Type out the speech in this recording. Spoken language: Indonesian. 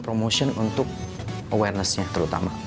promotion untuk awarenessnya terutama